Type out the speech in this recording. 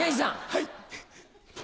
はい。